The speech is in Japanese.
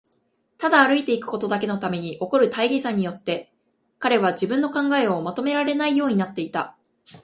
ただ歩いていくことだけのために起こる大儀さによって、彼は自分の考えをまとめられないようになっていた。